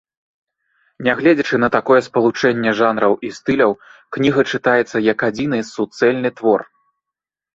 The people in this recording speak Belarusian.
Нягледзячы на такое спалучэнне жанраў і стыляў, кніга чытаецца як адзіны, суцэльны твор.